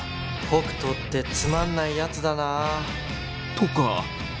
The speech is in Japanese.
北斗ってつまんないやつだな。とか。